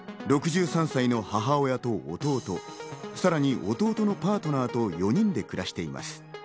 ６３歳の母親と弟、さらに弟のパートナーと４人で暮らしています。